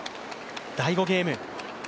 第５ゲーム